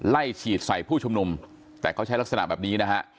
ไล่ฉีดใส่ผู้ชุมนุมแต่เขาใช้ลักษณะแบบนี้นะฮะ